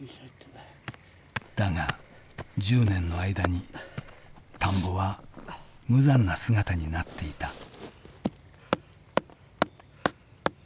だが１０年の間に田んぼは無残な姿になっていた。